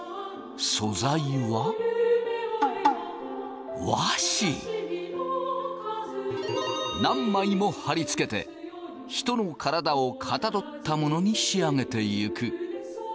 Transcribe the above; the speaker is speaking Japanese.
素材は何枚も貼り付けて人の体をかたどったものに仕上げていく。